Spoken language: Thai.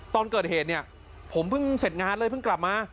ตอนเกิดเหตุเนี่ยผมเพิ่งเสร็จงานเลยเพิ่งกลับมา